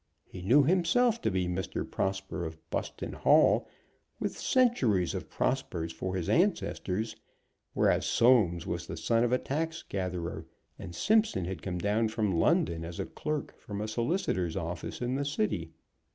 He knew himself to be Mr. Prosper of Buston Hall, with centuries of Prospers for his ancestors; whereas Soames was the son of a tax gatherer, and Simpson had come down from London as a clerk from a solicitor's office in the City.